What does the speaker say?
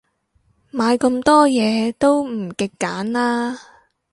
買咁多嘢，都唔極簡啦